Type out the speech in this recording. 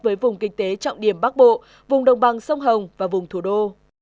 với vùng kinh tế trọng điểm bắc bộ vùng đồng bằng sông hồng và vùng thủ đô